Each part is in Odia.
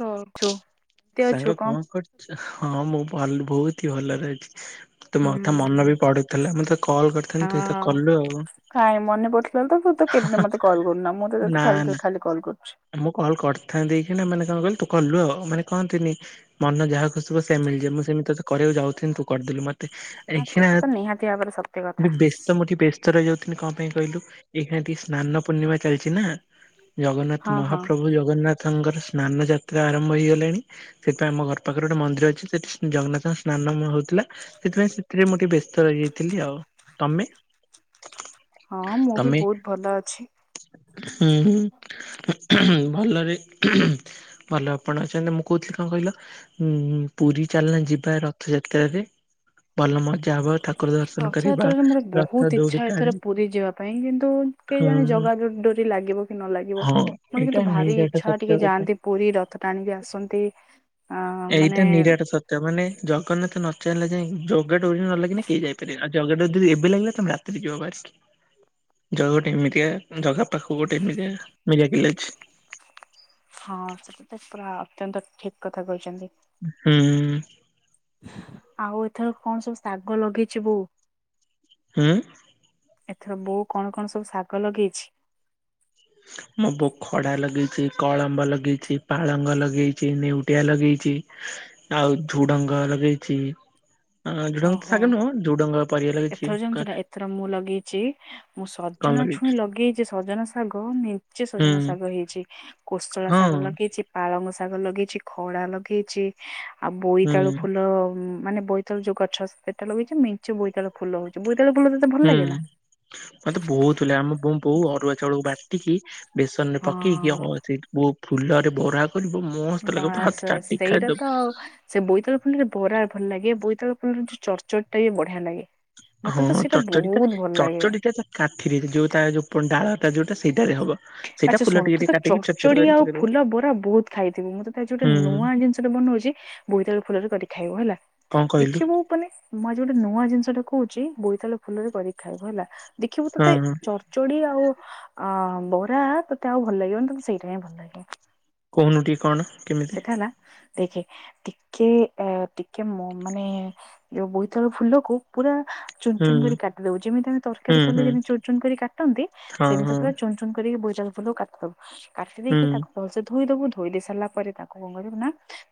ଗ ଚୁ। ସାଙ୍ଗ କଣ କରୁଛ? ହଁ ମୁଁ ଭଲ ବହୁତ ହି ଭଲରେ ଅଛି। ତୁମ ହୁଁ କଥା ମନ ବି ପଡୁଥିଲା ମୁଁ ତ କଲ୍ କରିଥାନ୍ତି ତୁ ତ ହଁ। କଲୁ ଆଉ। କାଇଁ ମନେ ପଡି ଥିଲେ ତ ତୁ ତ କେବେ ମତେ କଲ କରୁନା ମୁଁ ତ ତତେ ଖାଲିରେ ଖାଲି କଲ୍ କରୁଛି। ଏ ମୁଁ କଲ୍ କରିଥାନ୍ତି ଏଇଖୀଣା ମାନେ କଣ କହିଲୁ ତୁ କଲୁ ଆଉ ମାନେ କହନ୍ତିନି ମନ ଯାହା ଖୁ [unintelligible] ସେମ ମିଳିଯିବ ମୁଁ ସେମିତି ତତେ କରିବାକୁ ଯାଉଥିନି ତୁ କରିଦେଲୁ ମତେ। ଆ ଏଇ ଖୀଣା କଥା ତ ନିହାତି ଭାବରେ ସତ୍ୟ କଥା [unintelligible] ବ୍ୟସ୍ତ ମୁଁ ଟିକେ ବ୍ୟ [unintelligible] ଯାଉଥିନି କଣ ପାଇଁ କହିଲୁ ଏଇଖିଣା ଟି ସ୍ନାନ ପୂର୍ଣ୍ଣିମା ଚାଲିଛି ନା। ଜଗନ୍ନାଥ ହଁ ହଁ ମହାପ୍ରଭୁ ଜଗନ୍ନାଥଙ୍କର ସ୍ନାନ ଯାତ୍ରା ଆରମ୍ଭ ହେଇଗଲାଣି। ସେଥିପାଇଁ ଆମ ଘର ପାଖରେ ଗୋଟେ ମନ୍ଦିର ଅଛି ସେଠି ଜଗନ୍ନାଥଙ୍କ ସ୍ନାନ ହଉଥିଲା ସେଥିପାଇଁ ସେଥିରେ ମୁଁ ଟିକେ ବେ ସ୍ତ ରହି ଯାଇଥିଲି ଆଉ ତମେ। ହଁଁ ମୁଁ ବି ତମେ ବହୁତ ଭଲ ଅଛି। ହୁଁ ହୁଁ ଭଲରେ। ଭଲ ଆପଣ ଅଛନ୍ତି ମୁଁ କହୁଥିଲି କଣ କହିଲ। ହଁ ହଁ ପୁରୀ ଚାଲନା ଯିବା ରଥଯାତ୍ରାରେ ଭଲ ମଜା ହବ ଠା ରଥଯାତ୍ରାରେ ମୋର ବହୁତ ଇଚ୍ଛା ଟାଣି ଏଥର ପୁରୀ ଯିବା ପାଇଁ କିନ୍ତୁ। କେ ହଁ ଯାଣେ ଜଗା ଡୋରି ଲାଗିବ କି ନ ଲାଗିବ। ହଁ ମୋତେ ଏଇଟା କିନ୍ତୁ ଭାରି ନିରାଟ ଇଚ୍ଛା ସତ୍ୟ ଟିକେ କଥା। ଯାଆନ୍ତି ପୁରୀ ରଥ ଟାଣିକି ଆସନ୍ତି। ଆ ମାନେ ଏଇଟା ନିରାଟ। ତମାନେ ଜଗନ୍ନାଥ ନଚାହିଁଲା ଯାଇଁ ଜଗାଡୋରି ନ ଲାଗିଲେ କେହି ଯାଇପାରିବନି ଆଉ ଜଗାଡରି ଏବେ ଲାଗିଲା ତମେ। ତିିରେ ବାହାରିକି। ଜଗା ଗୋଟେ ଏମିତିକା ଜଗା ପାଖକୁ ଗୋଟେ ଏମିତିଆ ମିରି ଆକିଲେଚ। ହଁ ସେଟା ତ ପୁରା ଅତ୍ୟନ୍ତ ଠିକ କଥା କହିଛନ୍ତି। ହୁଁ। ଆଉ ଏଥର କଣ ସବୁ ଶାଗ ଲଗେଇଛି ବୋଉ? ହଁ। ଏଥର ବୋଉ କଣ କଣ ସବୁ ଶାଗ ଲଗେଇଛି? ହ ମୋ ବୋଉ ଖଡା ଲଗେଇଛି କଳମ୍ବ ଲଗେଇଛି ପାଳଙ୍ଗ ଲଗେଇଛି ନେଉଟିଆ ଲଗେଇଛି। ଆଉ ଝୁଡଙ୍ଗ ଲଗେଇଛି। ଆ ଝୁଡଙ୍ଗ ତ ଓହୋ ଶାଗ ନୁହଁ ଝୁଡଙ୍ଗ ପରିବା ଲାଗିଛି। ଏଥର ଜାଣିଛୁ ନା ଏଥର ମୁଁ ଲଗେଇଛି ମୁଁ ସଜନା ଛୁଇଁ ଲଗେଇ ଯେ ସଜନ ଶାଗ ମେଞ୍ଚେ ହୁଁ ସଜନ ଶାଗ ହେଇଛି, କୋଶଳା ହଁ ଶାଗ ଲଗେଇଛି। ପାଳଙ୍ଗ ଶାଗ ଲଗେଇଛି, ଖଡା ଲଗେଇଛି ଆଉ ହୁଁ ବୋଇତାଳୁ ଫୁଲ ମାନେ ବୋଇ ଯୋ ଗଛ ସେଟା ଲଗେଇଛି, ମେଞ୍ଚେ ବୋଇତାଳୁ ଫୁଲ ହଉଛି, ବୋଇତାଳୁ ଫୁଲ ତତେ ଭଲ ଲାଗେ ହୁଁ। ନା? ମତେ ବହୁତ ଥିଲା, ଆମ ବୋଉ ଅରୁଆ ଚାଉଳକୁ ବା ଟିକି ବେସନ ରେ ପକେଇକି ହଁ ଆ ସେ ଫୁଲରେ ବରା କରିବ ମସ୍ତ ଲାଗିବ, ବାସ୍ ହାତ ବାସ୍ ଚାଟିକି ସେଇଟା ତ ଖାଇଦବୁ। ଆଉ ସେ ବୋଇତଳ ଫୁଲରେ ବରା ଭଲ ଲାଗେ, ବୋଇତଳ ଫୁଲର ଯୋଉ ଚର୍ଚରଟ ଟା ବି ବଢିଆ ଲାଗେ। ମତେ ହଁ ତ ସେଇଟା ଚର୍ଚ୍ଚଟିଟା ବହୁତ ଭଲ ଲାଗେ। ଚର୍ଚ୍ଚଟିଟା କାଠିରେ ଯୋଉ ତା ଯୋଉ ଡାଳଟା ଯୋଉଟା ସେଇଟାରେ ହବ। ସେଇଟା ଆଛା ଫୁଲ ଶୁଣୁ ଟିକେ ତୁ ଟିକେ ତ କାଟିକି ଛୋଟ ଛୋଟ ଚଡ଼ଚଡି କରି ଆଉ ପକେଇଦବା ଫୁଲ ବରା ବହୁତ ଖାଇଥିବୁ, ମୁଁ ତ ତା ଗୋଟେ ହୁଁ ନୂଆ ଜିନିଷଟେ ବନଉଛି। ବୋଇ ତାଳୁ ଫୁଲରେ କରିିକ ଖାଇବ ହେଲା। କଣ କହିଲୁ? ଦେଖିବୁ ମାନେ ମୁଁ ଆଜି ଗୋଟେ ନୂଆ ଜିନିଷଟା କହୁଛି, ବୋଇତାଲ ଫୁଲରେ କରିକି ଖାଇବ ହେଲା, ଦେଖିବୁ ହଁ ତତେ ହଁ। ଚଚ ଚୁଡି ଆଉ ଅ ବରା ତତେ ଆଉ ଭଲ ଲାଗିବନି ତତେ ସେଇଟା ହି ଭଲ ଲାଗିବ। କହୁନୁ ଟିିକେ କଣ? କେମିତି ସେଟା ହେଲା ଦେଖେ ଟିକେ ଅ ଟିକେ ମାନେ ଯୋଉ ବୋଇତାଳୁ ଫୁଲକୁ ପୁରା ଚୁନ ହୁଁ ଚୁନ କରି କାଟିଦବ, ଯେମିତି ଆମେ ହୁଁ ତରକାରୀ ହୁଁ କଲେ ଯେତି ଚୁଚୁନ କରି କାଟନ୍ତି ହଁ ହଁ ସେମିତି ପୁରା ଚୁନଚୁନ କରିକି ବୋଇତାଳୁ ଫୁଲକୁ କାଟିଦବୁ, କାଟି ହୁଁ ଦେଇକି ତାକୁ ଭଲସେ ଧୋଇ ଦବୁ, ଧୋଇ ଦେଇ ସାରିଲା ପରେ ତାକୁ କରିବୁ ନା,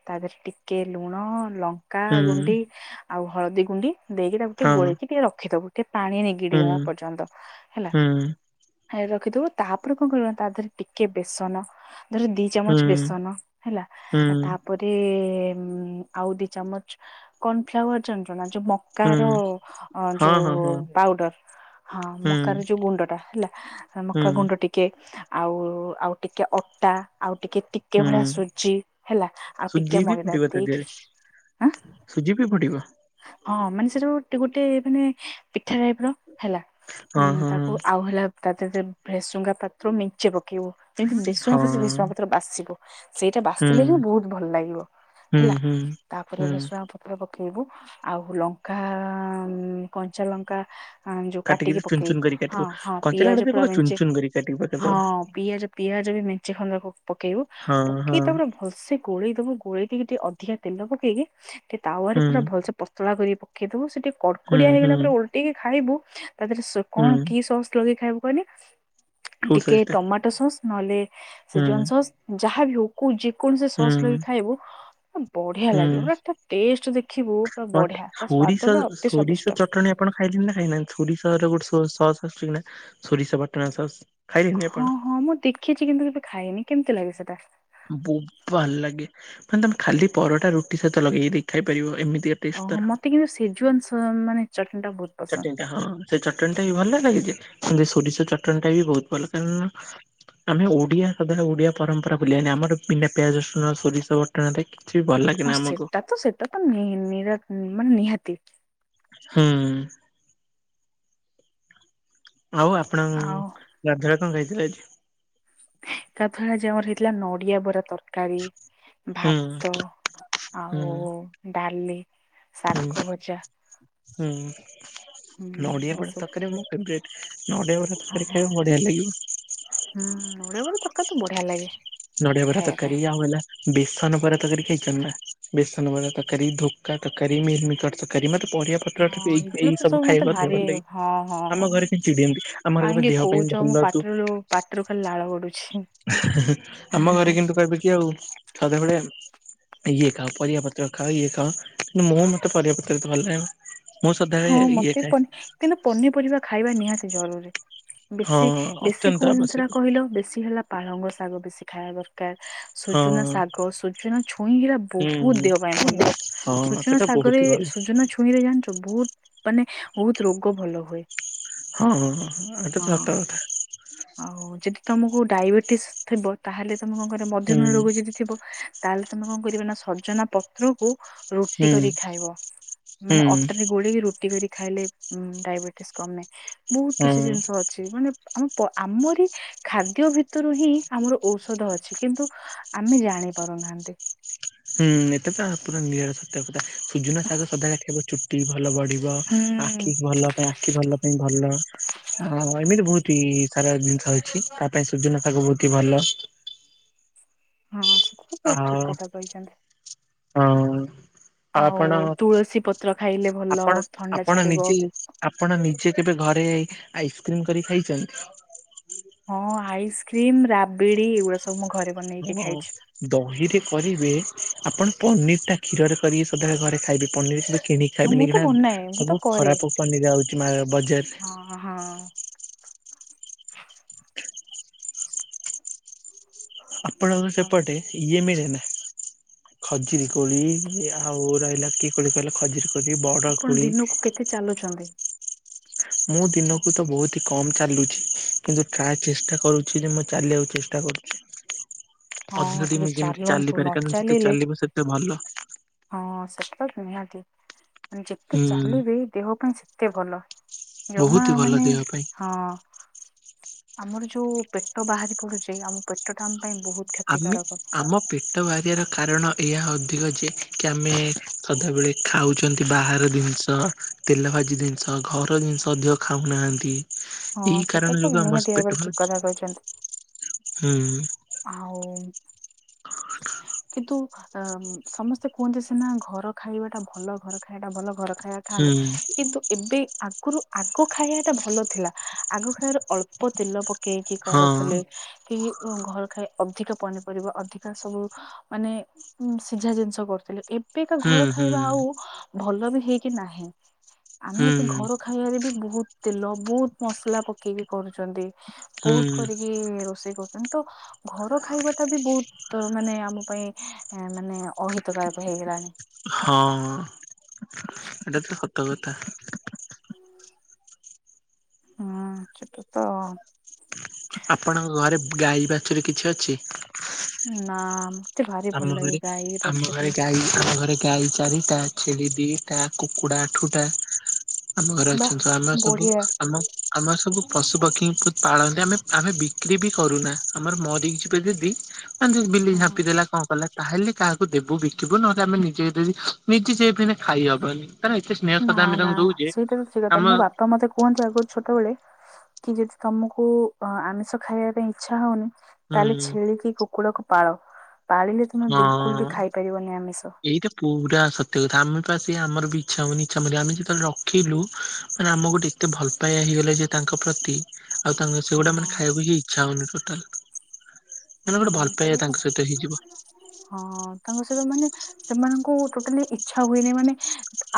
ତା ଦେହରେ ଟିକେ ଲୁଣ ଲଙ୍କା ହୁଁ। ଗୁଣ୍ଡି। ଆଉ ହଳଦୀଗୁଣ୍ଡି ଦେଇକି ତାକୁ ଟିକେ ହଁ ଗୋଳେଇକି ଟିକେ ରଖିଦବୁ, ଟିକେ ପାଣି ନେଇକି ହୁଁ ଗିଡିଗଣା ପର୍ଯ୍ୟନ୍ତ ହେଲା। ହୁଁ ରଖିଦେବୁ, ତାପରେ କଣ କରିବୁ, ତା ଦେହ ଟିକେ ବେସନ ଧରେ ଦି ଚାମଚ ହୁଁ ବେସନ ହେଲା, ହୁଁ ତାପରେ ଆଉ ଦି ଚାମଚ କର୍ଣଫ୍ଲାୱାର ଜାଣିଛୁନା, ଯୋଉ ମକା ହୁଁ ର ହଁ ହଁ ଯୋଉ ହଁ ପାଉଡର। ହଁ ହୁଁ ମକା ର ଯୋଉ ଗୁଣ୍ଡ ଟା ହେଲା, ହୁଁ ମକା ଗୁଣ୍ଡ ଟିକେ କେ ଆଉ, ଆଉ ଟିକେ ଅଟା, ଆଉ ଟିକେ ଟିକେ ହୁଁ। ଭଳିଆ ସୁ ଜି ହେଲା ଆଉ ସୁଜି ଟିକେ ବି ମଇଦା ପଡିବ ତା ଦେହରେ ଦେଇକି ହାଁ ସୁଜି ବି ପଡିବ? ହଁ ମାନେ ସେଟା ଗୋଟେ ଗୋଟେ ମାନେ ପିଠା ଟାଇପ ର ହେଲା ହଁ ଉଁ ହଁ ତାକୁ ଆଉ ହେଲା ତା ଦେହରେ ଭେସୃଙ୍ଗା ପାତ୍ର ମିଞ୍ଚେ ପକେଇବୁ, ଯେମତି ଭେସୁଙ୍ଗା ହଁ ହଁ ପତ୍ର, ଭେସୁଙ୍ଗା ପତ୍ର ବାସିବ। ସେଇଟା ହୁଁ ବାସିଲେ ହିଁ ବହୁତ ଭଲ ଲାଗିବ ହୁଁ ହେଲା, ହୁଁ ତାପରେ ହୁଁ ଭେସୃଙ୍ଗା ପତ୍ର ପକେଇବୁ। ଆଉ ଲଙ୍କା, କଞ୍ଚା ଲଙ୍କା ହଁ ଯୋଉ କାଟିକି କାଟିକିରି ଚୁନ ଚୁନ ପକେଇବୁ, କରି ହଁ କାଟିବ ହଁ କଞ୍ଚା ଲଙ୍କା ପିଆଜ ଟା ପୁରା ପକେଇ ଚୁନ ମିଞ୍ଚେ, ଚୁନ କରି କାଟିକି ପକେଇଦବ ହଁ ପିଆଜ ପିଆଜ ବି ମେଞ୍ଚି ଖଣ୍ଡ ପକେଇବୁ, ହଁ ହଁ ପକେଇ ତାପରେ ଭଲସେ ଗୋଳେଇ ଦେବୁ, ଗୋଳେଇ ଦେଇକି ଟିକେ ଅଧିକା ତେଲ ପକେଇକି, ଟିକେ ତାୱରେ ହୁଁ ପୁରା ଭଲସେ ପତଳା କରିକି ପକେଇଦେବୁ, ସେଠି ହୁଁ କଡ଼କଡିଆ ହୁଁ ହେଇଗଲା ପରେ ଓଲଟେଇକି ଖାଇବୁ, ତା ଦେହରେ କଣ ହୁଁ କି ସସ୍ ଲଗେଇ ଖାଇବୁ କହନି କୋଉ -ଟିକେ ସସ୍ ଟା ଟମାଟୋ ସସ୍ ନହେଲେ ସେ ହୁଁ ଜନ ସସ୍ ଯାହା ବି ହଉ, କୋଉ ଯେକୌଣସି ସସ୍ ହୁଁ ଲଗେଇ କି ଖାଇବୁ ବଢ଼ିଆ ଲାଗିବ, ମାନେ ଟେଷ୍ଟ ଦେଖ ହଁ ସୋରିଷ ସ୍ଵାଦିଷ୍ଟ ସୋରିଷ ତେଲ ଟୀ ଆପଣ ଖାଇଛନ୍ତି ନା ଖାଇ ନାହାଁନ୍ତି, ସୋରିଷର ଗୋଟେ ସସ୍ ଆସୁଛି କି ନା, ସୋରିଷ ବଟା ସସ୍ ଖାଇଲେଣିି ଆପଣ ହଁ ହଁ ମୁଁ ଦେଖିଛି କିନ୍ତୁ କେବେ ଖାଇନି, କେମିତି ଲାଗେ ସେଟା? ବହୁତ ଭଲ ଲାଗେ, ମାନେ ତମେ ଖାଲି ପରଟା, ରୁଟି ସହିତ ଲଗେଇକି ଦେଇ ଖାଇ ପାରିବ, ଏମିତି ଓହୋ ଚେଷ୍ଟା ରେ। ମତେ କିନ୍ତୁ ସେଜୁଆନ୍ ସ ମାନେ ଚଟଣି ଟା ବହୁତ ପସନ୍ଦ। ଚଟଣିଟା ହଁ, ସେ ଚଟଣି ଟା ବି ଭଲ ଲାଗିଛି, ସୋରିଷ ଚଟଣିଟା ବି ବହୁତ ଭଲ, କାରଣ ଆମେ ଓଡିଆ, ସାଧାରଣ ଓଡିଆ ପରମ୍ପରା ଭୁଲିବା ନି, ଆମର ବିନା ପିଆଜ ରସୁଣ ସୋରିଷ ବଟାରେ ଛି ଭଲ ହଁ ଲାଗିଲା ଆମକୁ। ସେଟା ତ ସେଟା ତ ନି ନିର ମାନେ ନିହାତି। ହୁଁ ଆଉ ଆପଣ ଆଉ ଗାଧୋଇବାକୁ ଯାଇଥିଲେ ଆଜି। ତାପରେ ଆଜି ଆମର ହେଇଥିଲା ନଡିଆ ବରା ତରକାରୀ। ତରକାରୀ, ହୁଁ ଭାତ ହୁଁ ଆଉ ଡାଲି, ଶାଗ ହୁଁ ଭଜା। ହୁଁ ହୁଁ ନଡ଼ିଆ ବରା ଏସବୁ ତରକାର ମୁଁ କେବେ ନଡ଼ିଆ ବରା ହଁ ତରକାରୀ ହଁ ଖାଇବାକୁ ବଢ଼ିଆ ଲାଗିବ। ହୁଁ ନଡ଼ିଆ ବରା ତରକାରୀ ତ ବଢ଼ିଆ ଲାଗେ। ନଡ଼ିଆ ବରା ଖାଇବା ପାଇଁ। ତରକାରୀ ଆଉ ହେଲା। ବେସନ ବରା ତରକାରୀ ଖାଇଛନ୍ତି ନା, ବେସନ ବରା ତରକାରୀ, ଧୋକା ତରକାରୀ, ମିଲମିକର ତରକାରୀ ମତେ ପରିବା ଛତୁଆ ହଁ ଏଗୁଡା ଏଇ ତ ସବୁ ମତେ ଖାଇବା ଦେହ ଭାରି ଭଲ ଲାଗି, ହଁ ହଁ। ଆମ ଘରେ ଫିଙ୍କି ଦିଅନ୍ତି, ଆମ ଘର ଦେହ ପାଇଁ ଭଲ ତୁ ଟ୍ରୁ ପାଟିରୁ ଖାଲି ଲାଳ ଗଡୁଛି। ଆମ ଘରେ କିନ୍ତୁ କହିବେ କି ଆଉ ସଦାବେଳେ ଇଏ ଖାଅ, ପରିବାପତ୍ର ଖାଅ, ଇଏ ଖାଅ କିନ୍ତୁ ମୋ ମତେ ପରିବାପତ୍ର ଭଲ ଲାଗେନା। ମୁଁ ସଦାବେଳେ ହଁ ଇଏ ମତେ ଖାଏ ପନି କିନ୍ତୁ ପନିପରିବା ଖାଇବା ନିହାତି ଜରୁରୀ। ହଁ ବେଶି ବେଶି ଅତ୍ୟନ୍ତ କୋଉ ଜିନିଷ ଟା ଆବଶ୍ୟକ କହିଲ, ବେଶି ହେଲା ପାଳଙ୍ଗ ଶାଗ ବେଶି ଖାଇବା ଦରକାର। ସୁଜୁନା ହଁ। ଶାଗ, ସୁଜୁନା ଛୁଇଁ, ହେରା ହୁଁ ବହୁତ ହୁଁ ଦେହ ପାଇଁ ଭଲ। ହଁ ସୁଜୁନା ସେଟା ବହୁତ ସାଗରେ, ହି ଭଲ ସୁଜୁନା ଛୁ ଛୁଇଁରେ ଜାଣିଛୁ, ବହୁତ ମାନେ ବହୁତ ରୋଗ ଭଲ ହୁଏ। ହଁ, ହଁ, ହଁ, ହଁ, ଏଟା ତ ସତ କଥା। ଆଉ ଯଦି ତମକୁ ଡାଇବେଟିସ୍ ଥିବ, ତାହେଲେ ତମେ କଣ କରିବ, ହୁଁ। ମଧ୍ୟମ୍ ରୋଗ ଯଦି ଥିବ, ତାହେଲେ ତମେ କଣ କରିବ ନା, ସଜନା ପତ୍ରକୁ ରୁଟି ହୁଁ କରି ଖାଇବ, ମାନେ ହୁଁ ଅଟାରେ ଘୋଳେଇକି ରୁଟି କରି ଖାଇଲେ, ଡାଇବେଟିସ୍ କମେ, ବହୁତ ହଁ କିଛି ଜିନିଷ ଅଛି, ମାନେ ଆମ ତ, ଆମରି ଖାଦ୍ୟ ଭିତରୁ ହିଁ ଆମର ଔଷଧ ଅଛି, କିନ୍ତୁ ଆମେ ଜାଣି ପାରୁନାହାନ୍ତି। ହୁଁ, ଏତେ ତ ପୁରା ନିଆରା ସତ୍ୟ କଥା, ସୁଜୁନା ଶାଗ ସଦାଳେ ଖାଇବ, ଚୁଟି ଭଲ ବଢିବ। ହାଲୋ, ଆ ହୁଁ। ଆଖି ଭଲ ପାଇଁ, ଆଖି ଭଲ ପାଇଁ ଭଲ, ଆ ଏମିତି ବହୁତ ସାରା ଜିନିଷ ଅଛି। ତା ପାଇଁ ସୁଜୁନା ଶାଗ ବହୁତ ହି ଭଲ। ହଁ ସେଥିପାଇଁ ତ ଠିକ୍ ଆଉ କଥା କହିଛନ୍ତି। ହଁ, ଆଉ ଆପଣ, ତୁଳସୀ ପତ୍ର ଖାଇଲେ ଭଲ ଆପଣ ଥଣ୍ଡା ଆପଣ ଛାଡିବ। ନିଜେ ଆପଣ ନିଜେ କେବେ ଘରେ ଆଇସ୍କ୍ରିମ କରି ଖାଇଛନ୍ତି? ହଁ, ଆଇସ୍କ୍ରିମ, ରାବିଡି ଏଇଗୁଡା ସବୁ ମୋ ଘରେ ବନେଇକି ହଁ ଖାଇଛି। ଦହିରେ କରିବେ, ଆପଣ ପନିର ଟା କ୍ଷୀରରେ କରିକି ସଦାବେଳେ ଘରେ ଖାଇବେ, ପନିର କି କିଣିକି ହଁ ମୁଁ ଖାଇବିନି ତ କିନା, ବନାଏ ମୁଁ ତ ସବୁ କରେ ଖରାପ ପନିର ଆଉଚି ମା ବଜାରରେ। ଓ ହଁ। ଆପଣଙ୍କ ଆଉ ସେପଟେ ଇଏ ମିଳେନା, ଖଜିରି କୋଳି ଆଉ ରହିଲା କିଏ କୋଳି କହିଲ, ଖଜିରି କୋ ଯଦି ବଡ଼ ଆପଣ କୋଳି ଦିନକୁ କେତେ ଚାଲୁଚନ୍ତି? ମୁଁ ଦିନକୁ ତ ବହୁତି କମ୍ ଚାଲୁଚି। କିନ୍ତୁ ଟ୍ରାଏ ଚେଷ୍ଟା କରୁଚି ଯେ, ମୁଁ ଚାଲିବାକୁ ଚେଷ୍ଟା କରୁଚି। ହଁ ଅଧିକ ଟିକେ ମୁଁ ଯେମିତି ଚାଲନ୍ତୁ ଚାଲିପାରେ, ନ କାହିଁ ନା ଯେତେ ଚାଲିଲେ ଚାଲିବ, ସେତେ ଭଲ। ହଁ, ସେତ ନିହାତି। ମାନେ ଯେତେ ହୁଁ ଚାଲିବେ, ଦେହ ପାଇଁ ସେତେ ଭଲ, ବହୁତ ଜମା ହି ଭଲ ମାନେ, ଦେହ ପାଇଁ। ହଁ ଆମର ଯୋଉ ପେଟ ବାହାରି ପଡୁଚି, ଆମ ପେଟଟା ଆମ ପାଇଁ ବହୁତ ଆମେ କ୍ଷତିକାରକ। ଆମ ପେଟ ବାହାରିବାର କାରଣ ଏହା ଅଧିକ ଯେ, କି ଆମେ ସଦାବେଳେ ଖାଉଚନ୍ତି ବାହାର ଜିନି ତ ତେଲଭାଜି ଜିନିଷ, ଘର ଜିନିଷ ଅଧିକ ଖାଉନାହାନ୍ତି। ଏଇ ହଁ ସେଟା କାରଣ ତ ଯୋଗୁଁ ଆମ ବାସ୍ ନିହାତି ପେଟ ଭାବରେ ଠିକ କଥା ବାହାରୁଚି, କହିଛନ୍ତି ହୁଁ। ଆଉ କିନ୍ତୁ ଉଁ ସମସ୍ତେ କୁହନ୍ତି ସିନା ଘର ଖାଇବା ଟା ଭଲ, ଘର ଖାଇବା ଭଲ, ଘର ଖାଇବା ହୁଁ ଖାଆନ୍ତୁ କିନ୍ତୁ ଏବେ ଆଗରୁ ଆଗ ଖାଇବା ଟା ଭଲ ଥିଲା, ଆଗ ଖାଇବାର ଅଳ ପ ତେଲ ପକେଇକି ହଁ। କରୁଉଥିଲେ, କି ଉଁ ଘର ଖାଇ ଅଧିକା ପନିପରିବ, ଅଧିକା ସବୁ ମାନେ ସିଝା ଜିନିଷ କରୁଥିଲେ, ଏବେ କା ହୁଁ ଘର ହୁଁ ଖାଇବା ଆଉ ଭଲ ବି ହେଇକି ନାହିଁ, ଆମେ ହୁଁ ଏବେ ଘର ଖାଇବାରେ ବି ବହୁତ ତେଲ, ବହୁତ ମସଲା ପକେଇକି କରୁଚନ୍ତି, ବହୁତ ହୁଁ କରିକି କି ରୋଷେଇ କରୁଚନ୍ତି, ତ ଘର ଖାଇବା ଟା ବି ବହୁତ ମାନେ ଆ ଆମ ପାଇଁ ମାନେ ଅହିତକାୟକ ହେଇଗଲାଣି। ହଁ, ଏଇଟା ତ ସତ କଥା। ହଁ ସେଟା ତ ଆପଣଙ୍କ ଘରେ ଗାଈ ବାଛୁରୀ କିଛି ଅଛି? ନା ମ ଆମ ଘରେ ଆମ ଘରେ ଗାଈ ଆମ ଘରେ ଗାଈ ଚାରିଟା ଛେଳି ଦିଟା କୁକୁଡ଼ା ଆଠୁଟା ଆମ ଘରେ ବା ଅଛନ୍ତି ପା ଆମେ ସବୁ ବଢିଆ ଆମ ଆମର ସବୁ ପଶୁ ପକ୍ଷୀଙ୍କୁ ପାଳନ୍ତି ଆମେ ଆମେ ବିକ୍ରି ବି କରୁନା ଆମର ମରିଛ ପେଲିବି ଆମ ସବ ବିଲେଇ ହଁ। ଝାମ୍ପି ଦେଲା। କଣ କଲେ ତାହେଲେ କାହାକୁ ଦେବୁ ବିକିବୁ ନ ଚାଲେ ନିଜେ ଯଦି ନିଜେ ଯାଇ ତେନ୍ ଖାଇହବନି। ତାର ଏତେ ସ୍ନେହ ନା ଶ୍ରଦ୍ଧା ଆମ ନା ତାଙ୍କୁ ଦଉଛେ ସେଇଟା ଠିକ କଥା ଆମ ମୋ ବାପା ତ ମତେ କୁହନ୍ତୁ ଆଗରୁ ଛୋଟବେଳେ କି ଯଦି ତମକୁ ଆଁ ଆମିଷ ଖାଇବା ପାଇଁ ଇଚ୍ଛା ହଉନି। ତାହେଲେ ହୁଁ ଛେଳିିକି କୁକୁଡ଼ାକୁ ପାଳ ପାଳିଲେ ତୁମେ ବିଲକୁଲ ବି ହଁ ଖାଇ ପାରିବନି ଆମିଷ। ଏଇଟା ପୁରା ସତ୍ୟ କଥା ଆମେ ପା ସେଇଆ ଆମର ବି ଇଛା ହଉନି ଇଛା ମାନେ ଆମେ ଯେତେବେଳେ ରଖିଲୁ ମାନେ ଆମକୁ ଗୋଟେ ଏତେ ଭଲ ପାଇବା ହେଇଗଲେ ଯେ ତାଙ୍କ ପ୍ରତି ଆଉ ତାଙ୍କ ସେଗୁଡା ମାନେ ହଁ ଖାଇବାକୁ ହିଁ ଇଚ୍ଛା ହଉନି ଟୋଟାଲ। ମାନେ ଗୋଟେ ଭଲ ସେଟା ପାଇବା ତ ତାଙ୍କ ସହିତ ହେଇଯିବ। ହଁ ତାଙ୍କ ସହିତ ମାନେ ସେମାନଙ୍କୁ ଟୋଟାଲି ଇଚ୍ଛା ହୁଏନି ମାନେ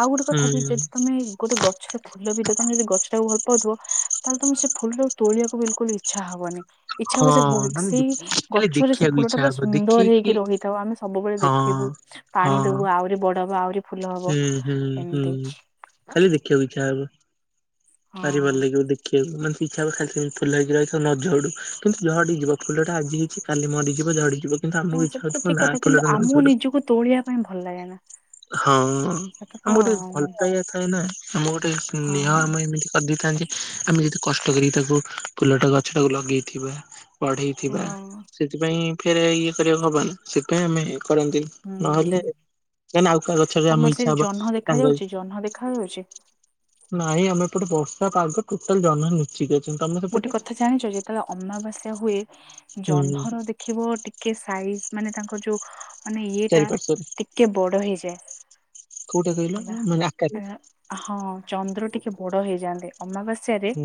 ଆଉ ଗୋଟେ ହୁଁ କଥା ବି ଯଦି ତମେ ଗୋଟେ ଗଛର ଫୁଲ ଭିତରେ ତମେ ଯଦି ଗଛକୁ ଭଲ ପାଉଥିବ। ତାହେଲେ ତମେ ସେ ଫୁଲଟାକୁ ତୋଳିବାକୁ ବିଲକୁଲ ଇଛା ହବନି ଇଛା ହବ ହଁ ସେ ଘ ମାନେ ସେଇ ଦେଖି ଖାଲି ଗଛରେ ସେ ଦେଖିବାକୁ ଫୁଲ ଟା ଇଚ୍ଛା ପୁରା ହବ ସୁନ୍ଦର ଦେଖିକି ହେଇକି ରହିଥାଉ ଆମେ ସବୁବେଳେ ହଁ ଦେଖିବୁ ହଁ ପାଣି ଦବୁ ଆ ଆହୁରି ବଡ ହବ ଆହୁରି ଫୁଲ ହବ ହୁଁ ହୁଁ ହୁଁ ଏମିତି ଖାଲି ଦେଖିବାକୁ ଇଚ୍ଛା ହବ ଭାରି ଭଲ ହଁ ଲାଗିବ ଦେଖି ହୁଁ ମାନେ ଇଚ୍ଛା ହବ ଖାଲି ସେମ ଫୁଲ ହେଇକି ରହିଥାଉ ନ ଝଡୁ କିନ୍ତୁ ଝଡିଯିବ ଫୁଲଟା ଆଜି ହେଇଛି କାଲି ମରିଯିବ ଝଡ଼ିଯିବ। କିନ୍ତୁ ହଁ ଆମ୍ବ ଇଛା ସେଟା ତ ହଉଥିବ ଠିକ ନା କଥା କିନ୍ତୁ ଫୁଲଟା ନ ଆମକୁ ପଡୁ। ନିଜକୁ ତୋଳିବା ପାଇଁ ଭଲ ଲାଗେ ନା ହଁ ସେଟା ତ ଆମ ଗୋଟେ ଭଲ ହଁ ପାଇବା ଥାଏ ନା ଆମ ଗୋଟେ ନିହାମ ଏମିତି କରିଦେଇଥାନ୍ତି, ଆମେ ଯେତେ କଷ୍ଟ କରିକି ତାକୁ ଫୁଲଟା ଗଛ ଟାକୁ ଲଗେଇଥିବା। ପଢେଇଥିବା ହଁ ସେଥିପାଇଁ ଫେରେ ଇଏ କରିବାକୁ ହବନି ସେଥିପାଇଁ ଆମେ ଏ କରନ୍ତିନି। ନହେଲେ ହୁଁ। ନହେଲେ ଆଉ କାହା ଗଛରେ ତମର ଆମ ସେ ଇଛା ହବ ଜହ୍ନ ଦେଖା ସାଙ୍ଗ ହେଇ ଯାଉଛି ଜହ୍ନ ଦେଖା ଯାଉଛି ନାଇଁ ଆମେ ଏପଟେ ବର୍ଷା ପାଗ ଟୋଟାଲ ଜହ୍ନ ନାଇ। ଠିକ୍ ଅଛନ୍ତି ତମେ। ଗୋଟେ ସେପଟେ କଥା ଜାଣିଛ ଯେତେବେଳେ ଅମାବାସ୍ୟା ହୁଏ ହୁଁ ଜହ୍ନର ଦେ ଖିବ ଟିକେ ସାଇଜ ମାନେ ତାଙ୍କର ଯୋଉ ମାନେ ଇଏ ଟା ଚାରି ପାର୍ଶ୍ଵରେ କେ ତେ ବଡ ହେଇଯାଏ କୋଉଟା କହିଲ ହେଲା ମାନେ ଆକାରରେ ଉଁ। ହଁ ଚନ୍ଦ୍ର ଟିକେ ବଡ ହେଇଯାଆନ୍ତେ ଅମାବାସ୍ୟାରେ ହୁଁ।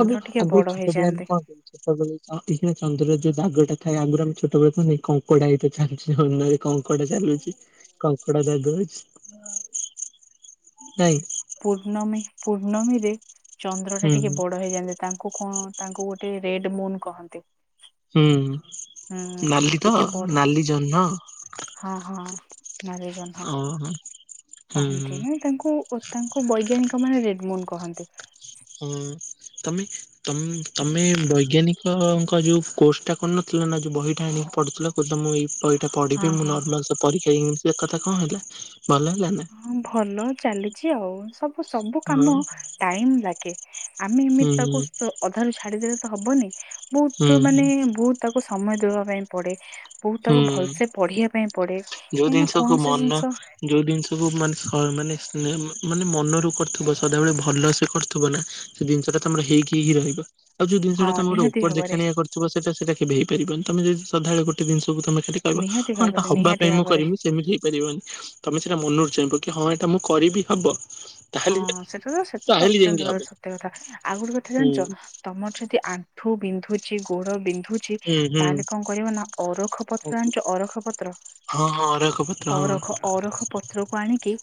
ସବୁ ଟିକେ ଆଗରୁ ବଡ ଛୋଟ ପିଲା ମାନେ ହେଇଯାଆନ୍ତି କଣ କହୁଚୁ ସେତେବେଳେ କଣ ଏଇ ଯୋ ଚନ୍ଦ୍ରର ଯୋଉ ଦାଗଟା ଥାଏ ଆମର ଛୋଟବେଳକୁ ନେଇ କଙ୍କଡ଼ା ଇତିରେ ଚାଲିଛ ଓଲୁଅ କଙ୍କଡା ଚାଲୁଛି କଙ୍କଡା ଦାଗ ଅଛି ହୁଁ ନାଇଁ। ପୂର୍ଣ୍ଣମୀ ପୂର୍ଣ୍ଣମୀରେ ଚନ୍ଦ୍ର ଟା ହୁଁ ଟିକେ ବଡ ହେଇଯାଆନ୍ତି। ତାଙ୍କୁ କଣ ତାଙ୍କୁ ଗୋଟେ ରେଡ ମୁନ କହନ୍ତି। ହୁଁ ନାଲି ତ ଟିକେ ବଡ ନାଲି ଜହ୍ନ। ହଁ ହଁ ନାଲି ଜହ୍ନ ହଁ ଓ ହୁଁ କହନ୍ତି। ହୁଁ। ନା ତାଙ୍କୁ ଓ ତାଙ୍କ ବୈଜ୍ଞାନିକ ମାନେ ରେଡ ମୁନ କହନ୍ତି। ହଁ ତମେ ତ ତମେ ବୈଜ୍ଞାନିକ। ଯୋଉ କୋର୍ସଟା କରୁନଥିଲା ନା ଯୋଉ ବହିଟା ଆଣିକି ପଢୁଥିଲ ତ ମୁଁ ଏଇ ହଁ ପଢିବି ମୁଁ ହଁ ନର୍ମାଲ ପରୀକ୍ଷ ଇଂଲି କଥା କଣ ହେଲା ଭଲ ହେଲା ନା? ହଁ ଭଲ ଚାଲିଛି ଆଉ। ସବୁ ସବୁ ହଁ କାମ ଟାଇମ ଲାଗେ। ଆମେ ହୁଁ ଏମିତି ତାକୁ ସ ଅଧାରୁ ଛାଡିଦେଲେ ତ ହବନି। ହୁଁ ବହୁତ ମାନେ ବହୁତ ତାକୁ ସମୟ ଦେବା ପାଇଁ ପଡେ। ବହୁତ ତାକୁ ହୁଁ। ଭଲ ସେ ପଢିବା ପାଇଁ ପଡେ ଯୋଉ କାହିଁକି ନା ଜିନିଷକୁ କୌଣସି ମନ ଜିନିଷ ଯୋଉ ଜିନିଷକୁୁ ମାନେ ସଏ ମାନେ ନାଇ ମାନେ ମନରୁ କରୁଥିବ, ସଦାବେଳେ ଭଲସେ କରୁଥିବ ନା ସେଇ ଦିନିଷ ଟା ତମର ହେଇକି ହି ରହିବ। ଆଉ ଯୋଉ ଦିନିଷଟା ହଁ ତମେ ଗୋଟେ ନିହାତି ଓପର ଭାବରେ ଦେଖାଣିଆ କରି ଥିବ ସେଟା ସେଟା କେବେ ହେଇପାରିବନି। ତମେ ଯଦି ଶ୍ରଦ୍ଧାରେ ଗୋଟେ ଜିନିଷକୁ ତମେ ଖାଲି କହିବ ନିହାତି ହଁ ଏଇଟା ଭାବରେ ହବା ନିହାତି ପାଇଁ ମୁଁ ଭାବରେ କରିବି ସେମିତି ହେଇପାରିବନି। ତମେ ସେଇଟା ମନରୁ ଚାହିଁବ। କି ହଁ ଏଇଟା ମୁଁ କରିବି ହବ। ହଁ ତାହେଲେ ସେଟା ତ ସେଟା ତ ତାହେଲେ ଯାଇଁକି ଅତ୍ୟନ୍ତ ହବ। ଭାବରେ ସତ୍ୟ କଥା। ଆଉ ଗୋଟେ କଥା ହୁଁ ଜାଣିଛ? ତମର ଯଦି ଆଣ୍ଠୁ ବିନ୍ଧୁଛି, ଗୋଡ ବିନ୍ଧୁ ଛି ହୁଁ ହୁଁ ତାହେଲେ କଣ କରିବ ନା ଅରଖ ପତ୍ର ଆଣିଚ ଅରଖ ପତ୍ର ହଁ ହଁ ଅରଖ ପତ୍ର। ହଁ ଅରଖ, ଅରଖ ପତ୍ରକୁ ଆଣିକି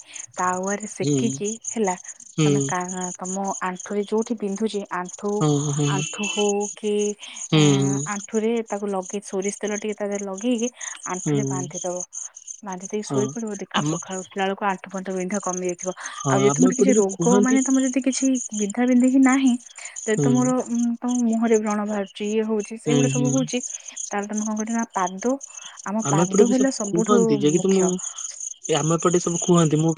ତାୱାରେ ହୁଁ ସେକିକି ହେଲା। ହୁଁ ମାନେ କା ତମ ଆଣ୍ଠୁରେ ଯୋଉଠି ବିନ୍ଧୁଛି ଆଣ୍ଠୁ ହଁ ହଁ ଆଣ୍ଠୁ, ଆଣ୍ଠୁ ହଉକି ଏଁ ହୁଁ ଆଣ୍ଠ ଆଣ୍ଠୁରେ ତାକୁ ଲଗେଇ ସୋରିଷ ତେଲ ଟିକେ ତାଦିହରେ ଲଗେଇକି ହୁଁ ଆଣ୍ଠୁରେ ବାନ୍ଧି ଦବ। ବାନ୍ଧି ଦେଇକି ହଁ ଶୋଇ ପଡିବ। ଦେଖିବ ଆମ ସଖାଳୁ ଉ ଉଠିଲାବେଳକୁ ଆଣ୍ଠୁ ଫାଣ୍ଠୁ ବିନ୍ଧା କମିଯାଇଥିବ। ହଁ ଆଉ ଯଦି ଆମ ତମର ଏପଟେ କିଛି ବି ରୋଗ କୁହନ୍ତି ମାନେ ତମର ଯଦି କିଛି ବିନ୍ଧା ବିନ୍ଧି ବି ନାହିଁ, ଯଦି ହୁଁ ତମର ଉଁ ତମ ମୁହଁରେ ବ୍ରଣ ବାହାରୁ ଚି ଇଏ ହଉଛି ହୁଁ ସେଇଗୁଡା ସବୁ ହୁଁ ହେଉଛି ତାହେଲେ ତମେ କଣ କରିବ ନା ପାଦ ଆମ ପାଦ ଏପଟେ ବି ହେଲା ସବୁ ସବୁଠୁ କୁହନ୍ତି, କିି ତ ମୁଖ୍ୟ ମୁଁ ଏ ଆମ ଏ ପଟେ ସବୁ କୁହନ୍ତି ମୁଁ